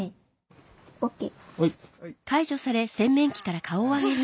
ＯＫ。